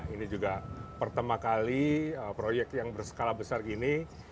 ini juga pertama kali proyek yang berskala besar gini